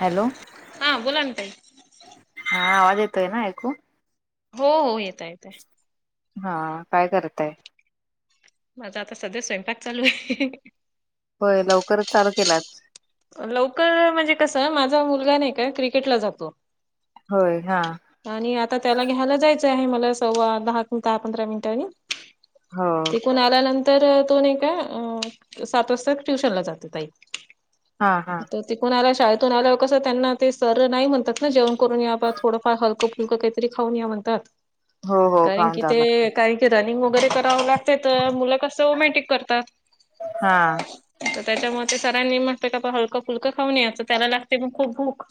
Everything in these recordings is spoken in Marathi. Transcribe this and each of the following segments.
हॅलो हा बोला ना ताई हा आवाज येतोय ना ऐकू? हो हो येतय येतय. हा काय करताय? माझा आता सध्या स्वयंपाक चालूये. होय लवकरच चालू केला आज. लवकर म्हणजे कसं माझा मुलगा नाही का क्रिकेटला जातो. होय हा. आणि आता त्याला घ्यायला जायचं आहे मला सव्वा दहा किंवा दहा पंधरा मिनिटानी. हो. तिकून आल्यानंतर तो नाही का अ सात वाजता ट्युशनला जाते ताई. हा हा तिकून आला शाळेतून आल्या कस त्यांना ते सर नाही म्हणतात ना जेवण करून या बा थोडं. हलकं फुलकं काहीतरी खाऊन या म्हणतात हो हो कारण खाऊन की जावं लागतं ते काही ते रनिंग वगैरे करावं लागते तर मुलं कसं ओमॅटिक करतात. हा तर त्याच्यामुळे ते सरांनी म्हणते का हलकं फुलकं खाऊन या तर त्याला लागते मग खूप भूक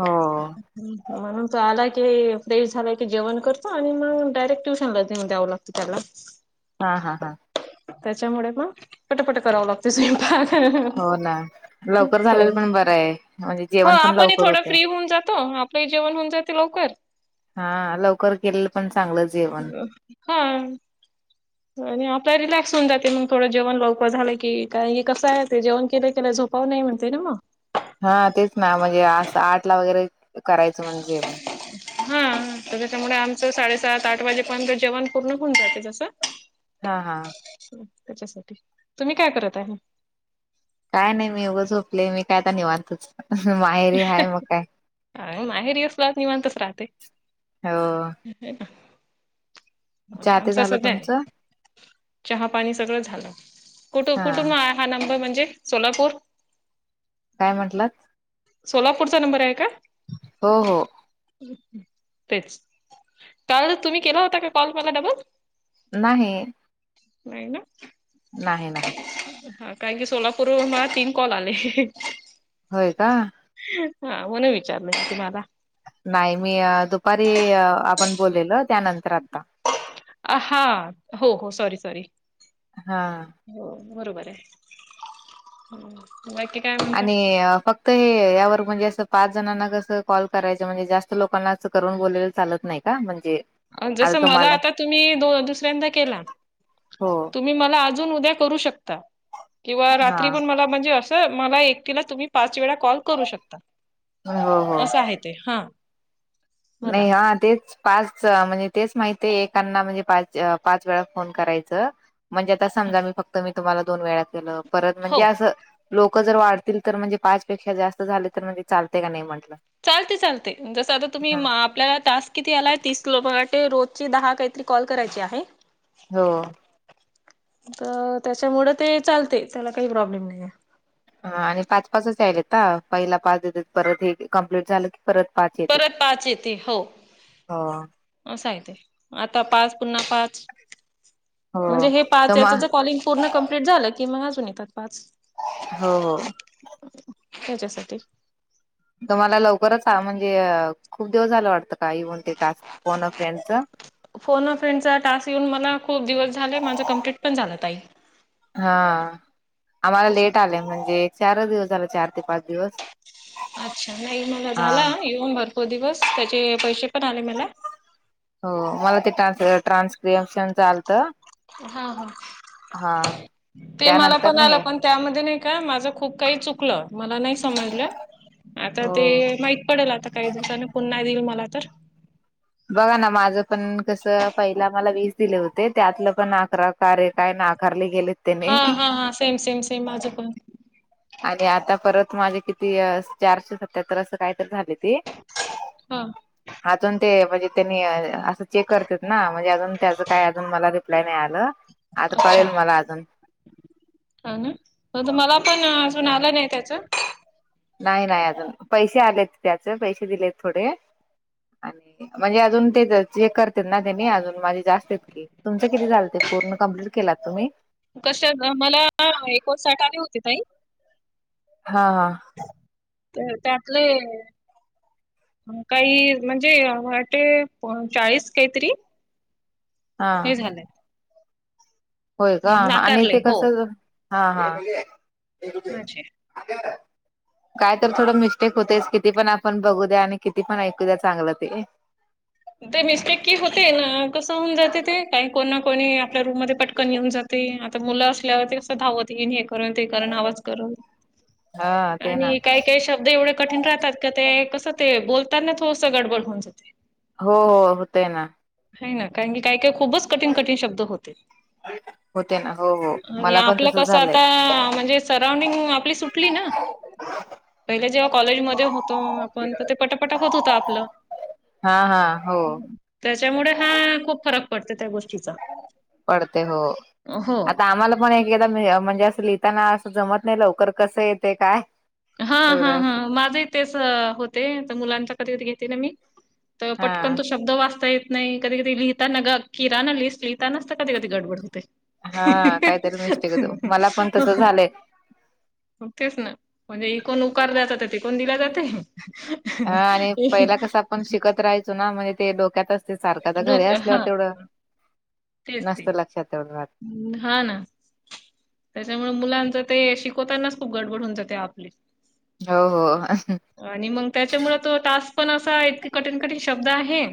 हो हम् [unintelligible] म्हणून तो आला की फ्रेश झालाय की जेवण करतो आणि मग डायरेक्ट ट्युशनला जाऊ द्याव लागत त्याला [inaudible] हा हा हा. त्याच्यामुळे मग पटपट करावं लागते स्वयंपाक. हो ना लवकर हो झालेलं पण बरं आहे म्हणजे हो जेवण पण आपण लवकर थोडं होते फ्री होऊन जातो. जेवण होन जाते लकर हा लवकर केलेलं पण चांगलं जेवण हा. हा. आणि आपला रिलॅक्स होऊन जाते मग थोडं जेवण लवकर झालं की हे कसं आहे ते जेव केले केलं झोप. हो नाही म्हणते ना मग. हा तेच ना म्हणजे असं आठ ला वगैरे करायचं म्हण जेवण. हा तर त्याच्यामुळे आमचं साडेसात आठ वाजेपर्यच जेवण पूर्ण होऊन जाते जसं. हा हा. त्याच्यासाठी तुम्ही काय करत आहे. काय नाही मी उगं झोपले मी काय निवादतच. ह वय [unintelligible] अ माहेरी असलात निवात तच राहते. हो. एका. चहा ते आमच झालं सध्य तुमचं चहा पाणी सगळं झालं कुठ हा कुटुंब. हा नंबर म्हणजे सोलापूर. काय म्हंटलत. सोलापूरचा नंबर आहे का. हो हो. तेच त्यावेळेस तुम्ही केला होता का कॉल मला डबल. नाही. नाही ना. नाही नाही. हा कारण की सोलापूर मला तीन कॉल आले. होय का. हा मण विचारलं तुम्हाला. नाही मी दुपारी आपण बोललेल त्यानंतर आता. हा हो हो सॉरी सॉरी. हा. हो बरोबर आहे. बाकी काय. म्हणता? आणि फक्त. [inaudible] त्यावर म्हणजे असं पाच जणांना कसं कॉल करायचं म्हणजे जास्त लोकांना असं करून बोलेलं चालत नाही का म्हणजे. अ जस आता मला तुम्हाला आता तुम्ही दोन दुसऱ्यांदा केला तू हो तुम्ही मला अजून उद्या करू शकता किंवा हा रात्री पण मला म्हणजे अस. तर मला एककीला तुम्ही पाच वेळा कॉल करू शकता. हो हो. असं आहे ते हा. मला नाही हा तेच. पाच म्हणजे तेच माहिती एांना म्हणजे पाच पाच वेळा फोन करायचं. म्हणजे आता समजा मी फक्त मी तुम्हाला दोन वेळा केलं. परत म्हणजे हो. असं लोक जर वाढतील तर म्हणजे पाच पेक्षा जास्त झाले तर म्हणजे चालते का नाही म्हंटलं. चालते चालते जसं आता तुम्ही हा माप. आपल्याला टास्क किती आलाय तीस लो मराे रोज ची दहा काहीतरी कॉल करायची आहे. हो. तर त्याच्यामुळे ते चालते त्याला काही प्रॉब्लेम नाही. ह आणि पाच पाचच आलेत का पहिला पाच देतात परत हे कमप्लीट झालं की. परत पाच ये परत पाच येते हो. अस हाय ते. आता पाच. पुन्हा पाच हो म्हणजे हे पाच तुम याचच हो कॉलिंग - - पूर्ण कंम्प्लीट झालं की मग अजून येतात पाच. हो. हो. त्याच्यासाठी. त मला लवकरच म्हणजे खूप दिवस झालं वाटतं का येऊन ते टास्क फोन अ फ्रेंडच? फोन अ फ्रेंडच टास्क येऊन मला खूप दिवस झाले. माझं कंम्प्लीट पण झालं ताई. हा. आम्हाला त्याच्या लेट आलंय म्हणजे चारच दिवस झाल. चार ते पाच दिवस. अच्छा नाही मला हा झाला येऊन भरपूर दिवस त्याचे पैसे पण आले मला. हो. मला ते टान -ट्रान्सक्रिप्शयनच चालत. हा. हा. [inaudible] ते मला पण आलं नाही पण त्यामध्ये नाही का माझं खूप काही चुकलं. मला नाही समजलं. आता हो ते माहित पडल. आता काही दिवसाने पुन्हा देईल मला तर. बघा ना. माझं पण कस पहिला मला वीस दिले होते. त्यातलं पण अकरा कार्य काय नाकारले गेलेतं. हा, हा, हा. सेम सेम सेम माझं पण. आणि आता परत माझे किती चारशे सत्याहत्तर असं कायतरी झाले. ते हा आतून ते म्हणजे त्यांनी अ - - चेक करत ना. म्हणजे अजून त्याच काय अजून मला रिप्लाय नाही आलं. आता कळेल मला अजून. ह ना. म तुमाला पण अजून आलं नाही त्याचं? नाही. नाही अजून. पैसे आलेत त्याचे पैसे दिलेत थोडे. आणि म्हणजे अजून ते जे करते ना त्यांनी अजून माझे जास्त तुमं किती झालं ते पूर्ण कम्प्लीट केलात तुम्ही? कशाच मला एकोण साठ आले होते ताई. हा. हा. तर त्यातले काही म्हणजे वाटे चाळीस काहीतरी हा हे झालंय. होय का आणि नाकारले ते हो. कस? हा. हा. माझे काय तर थोडं मिस्टेक होतेस किती पण आपण बघू द्या आणि किती पण ऐकू द्या चांगलं ते. ते मिस्टेक की होते ना. कसं होऊन जाते ते काही कोण ना कोणी आपल्या रूम मध्ये पटकन येऊन जात. ते आता मुलं असल्यावर ते कसं धावत येेन हे करन, ते करन, आवाज करन. हा ते ना आणि काय? काही शब्द एवढे कठीण राहतात. का ते कसं हातयं बोलतना थोडसं गडबड होऊन जातयं. हो. हो. होतय ना. हेना. कारण की काय - काय खूपच कठीण - कठीण शब्द होते. होते ना. हो. हो आणि मला पण आपलं तस कसं झालंय आता म्हणजे सराऊंडिंग आपली सुटली ना. पहिले जेव्हा कॉलेजमध्ये होतो आपण तर, ते पटापटा होत होत आपलं. हा. हा. हो त्याच्यामुड हा खूप फरक पडतो त्या गोष्टीचा. पडत हो. हो आता आम्हाला आपण एकेकदा म्हणजे असं लिहिताना असं जमत नाही लवकर कसं येतयं काय. हा, हा, एवढं हा. असं माझही तेच होतयं तर मुलांच्या कधी कधी घेते ना मी. तर हा पटकन तो शब्द वाचता ये त नाही कधी -कधी लिहिताना ग किराना लिस्ट लिहितानाच तर कधी - कधी गडबड होते. हा काहीतरी मिस्टेक होतो मला पण तसं [unintelligible] झालंय मग तेच ना. म्हणजे इकुण उकार द्यायचा. तो तिकुण दिला जातोयं. हा आणि पहिला कस आपण शिकत राहायचो ना म्हणजे ते डोक्यातच - - सारखा तर घर डोक्या असल्यावर हां, तेवढं हां. नस्त लक्षात तेवढं राह. ह् हा ना. त्याच्यामुळे मुलांच ते शिकवतानाच खूप गडबड होन जात आपली हो हो. आणि मग त्याच्यामु तो तास पण असा इतक कठीण कठीण शब्द आहे.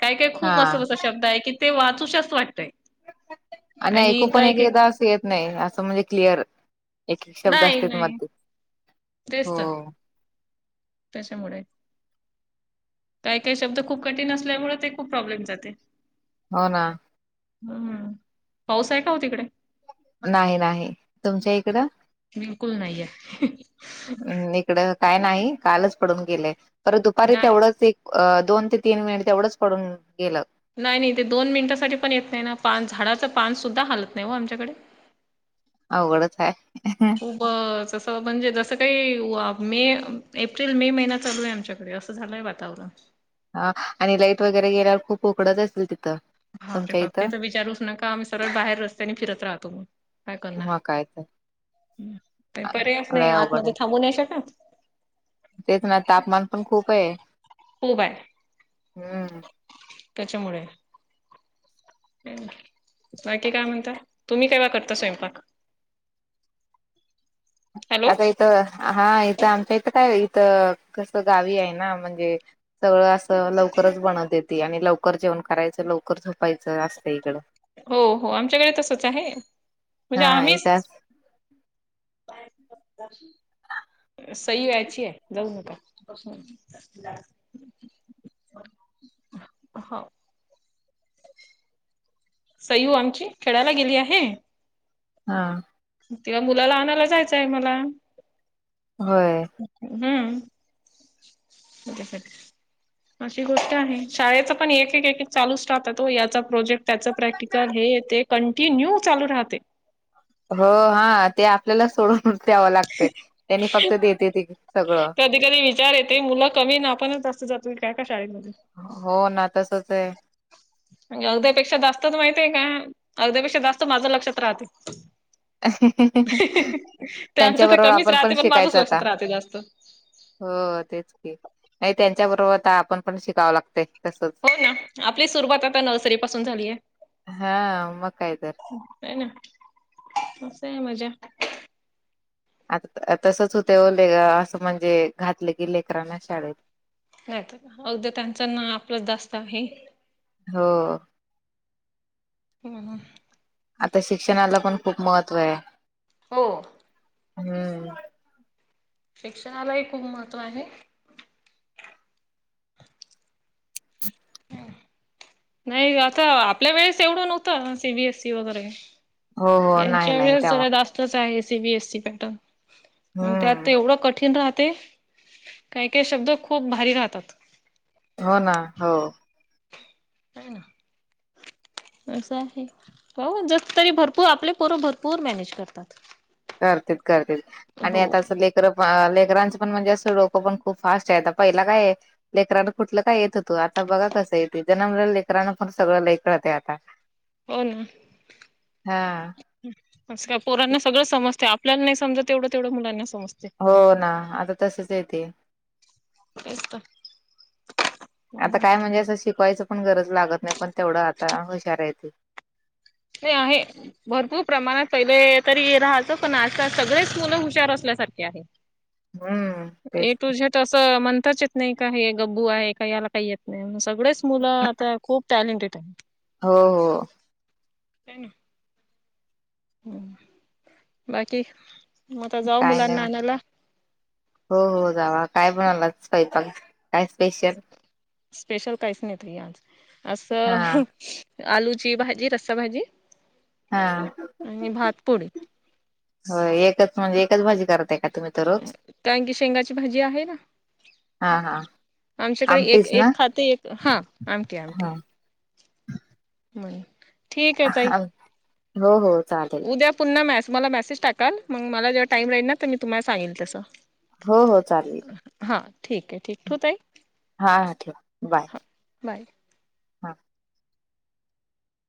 काय काय हा खूप असं असं शब्द आहे की ते वाचू शस्त वाटतय. आणि ऐकू पण एक एकदा असं येत नाही असं म्हणजे क्लिअर एक एक शब्द नाही असते त नाही मध्ये हो. तेच तर त्याच्यामुळे काही काही शब्द खूप कठीण असल्यामुळे ते खूप प्रॉब्लेम जाते. हो ना. हम्म पाऊस आहे का हो तिकडे नाही नाही तुमच्या इकडं. बिलकुल नाही आहे. हम् इकड काय नाही कालच पडून गेलंय परत दुपारी नाही तेवढंच एक अ दोन ते तीन मिनिट एवढंच पडून गेलं. नाही नाही ते दोन मिनिटांसाठी पण येत नाही ना पान झाडाच पानसद्धा हालत नाही व आमच्याकडे [unintelligible] अवघडंच आहे. खूप तसं म्हणजे जसं काही मे, एप्रिल, मे महिना चालू आहे आमच्याकडे असं झालं आहे वा. तावला. ह आणि लाईट वगैरे गेल्यावर खूप उकडत असेल तिथं. ह ते तुमच्या बा इथं ते तर विचारूच नका आम्ही सगळ बाहेर रस्तने फिरत राहतो मग काय करणार. मगं काय तरं. पर्यायच नाही अवघड आतमध्ये आहे. थांबू नाही शकत. तेच ना तापमान पण खूप आहे. खूप आहे हम्म. त्याच्यामुळे बाकी काय म्हणता. तुम्ही केव्हा करता स्वयंपाक? [unintelligible] हॅलो आता इथं हा इथं आमच्या इथं काय इथं कस गावी आहे ना म्हणजे सगळं असं लवकरच बनत येते आणि लवकर जेवण करायचं लवकर झोपायचं असतं इकडं. हो हो आमच्याकडे तसच आहे म्हणजे हा आम्हीच. इथंच सई वयची आहे जाऊ नका. हो. सयू आमची खेळायला गेली आहे. हा. तेव्हा मुलाला आणायला जायचं आहे मला. होय. हम्म. अशी गोष्ट आहे शाळेचं पण एक एक एक एक चालूच राहतात त याचा प्रोजेक्ट त्याच प्रॅक्टिकल हे येते. कंटिन्यू चालू राहते. हो हा ते आपल्याला सोडून द्यावं लागते त्यांनी फक्त देते ती सगळं. कधी कधी विचार येते मुलं कमी ना आपणच जास्त जातोय काय का शाळेमध्ये. हो ना तसच आहे. अगध्या पेक्षा जास्तच माहिती आहे का अगद्यापेक्षा जास्त माझं लक्षात राहते. त्यांचं त्यांच्या तर बरोबर कमीच आपण राहते पण माझंच शिकायचं आता लक्षात राहते जास्त. हो तेच क नाही त्यांच्या बरोबर आपण पण शिकावं लागत. हो ना आपली सुरुवात आता नर्सरी पासून झाली आहे. हा मग काय तर नाही ना असं मजा. आता तसच होते ओले असं म्हणजे घातले गी लेकरांना शाळेत नाहीत अगदीं त्यांचं ना आपलं जास्त आहे. हो. हम्म हम्म आता शिक्षणाला पण खूप महत्त्व आहे. हो. हम्म. शिक्षणालाही खूप महत्त्व आहे. नाही आता आपल्या वेळेस एवढं नव्हतं सीबीएससी वगैरे. हो हो नाही यांच्या नाही वेळेस तेव्हा जरा जास्त आहे सीबीएसी पॅटर्न त्यात हम्म एवढं कठीण राहते. काही काही शब्द खूप भारी राहतात. हो ना हो. काय ना. असं आहे हो जस तरी भरपूर आपले पोर भरपूर मॅनेज करतात. करतेत करतेत आणि हो. आता असं हो लेख लेकरांचं पण म्हणजे असं डोकं पण खूप फास्ट आहे आता पहिला काय आहे. लेकररानं कुठलं काय येत होतं आता बघा कसं येत जन्मले लेकरानं पण सगळं कळतंय आता. हो ना. हा काय पोरांना सगळं समजते आपल्याला नाही समजत तेवढं तेवढं मुलांना समजते हो ना आता तसच येते तेच तर आता काय म्हणजे असं शिकवायचं पण गरज लागत नाही पण तेवढं आता हुशारहतील ते आहे भरपूर प्रमाणात पहिले तरी राहाचं पण असं सगळेच मुलं हुशार असल्यासारखे आहेत हम्म ए तेच टू झेड असं म्हणताचेत नाही का हे गब्बू आहे का याला काही येत नाही म्ह सगळेच मुलं आता खूप टॅलेंटेड आहेत हो हो त ना ह बाकी मता जाऊ काय मुलांना नाही आणायला हो हो जावा काय बणाला स्वयंपाक काय स्पेशल स्पेशल काहीच नाहीत आज हा असं आलूची भाजी रस्साभजी हा पोळी हो एकच म्हणजे एकच भाजी करते. [unintelligible] शेंगाची भाजी आहे ना. हा हा आमच्याकडे एक आमटीच ना एक खाते एक हा आमटी आमटी. हा म्हणून ठीक आहे ताई हो हो चालेल उद्या पुन्हा मॅस मला मेसेज टाकाल मग मला जेव्हा टाईम लाईल ना तर म तुम्हाला सांगेल तसं हो हो चालेल हा ठीक आहे ठीक ठूत आहे हा हा ठेवा बाय बाय हा